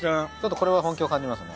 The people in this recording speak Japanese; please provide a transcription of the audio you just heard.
これは本気を感じますね。